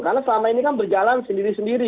karena selama ini kan berjalan sendiri sendiri